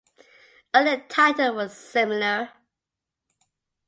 Only the title was similar.